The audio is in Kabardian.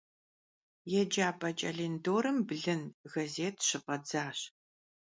Yêcap'e ç'elındorım blın gazêt şıf'edzaş.